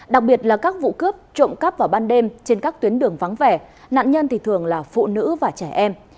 đặc biệt là các vụ cướp trộm cắp vào ban đêm trên các tuyến đường vắng vẻ nạn nhân thì thường là phụ nữ và trẻ em